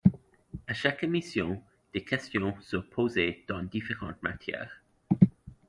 À chaque émission, des questions sont posées dans différentes matières.